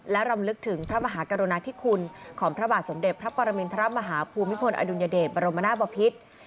และรำลึกถึงพระมหากรุณาธิคุณของพระบาทสมเด็จพระปรมินทรมาฮภูมิพลอดุลยเดชบรมนาศบพิษ